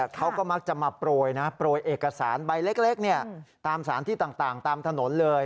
เขาก็มักจะมาโปรยนะโปรยเอกสารใบเล็กตามสารที่ต่างตามถนนเลย